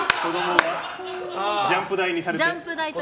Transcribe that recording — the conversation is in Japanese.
ジャンプ台にされて。